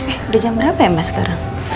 eh udah jam berapa ya mas sekarang